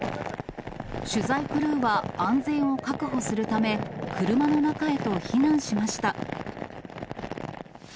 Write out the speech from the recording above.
取材クルーは安全を確保するため、車の中へと避難しました。